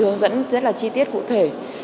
hướng dẫn rất là chi tiết cụ thể